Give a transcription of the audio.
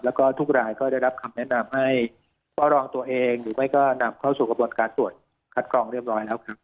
แล้วก็ทุกรายก็ได้รับคำแนะนำให้เฝ้ารองตัวเองหรือไม่ก็นำเข้าสู่กระบวนการตรวจคัดกรองเรียบร้อยแล้วครับ